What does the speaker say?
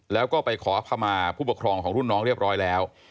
แล้วก็ไปขอขมาผู้ปกครองของรุ่นน้องเรียบร้อยแล้ว